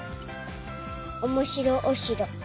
おもしろおしろ。